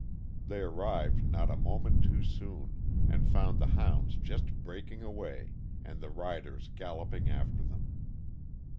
They arrived not a moment too soon, and found the hounds just breaking away and the riders galloping after them.